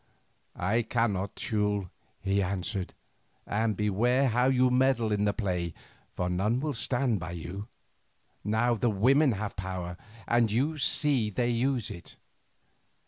"I cannot, Teule," he answered, "and beware how you meddle in the play, for none will stand by you. Now the women have power, and you see they use it.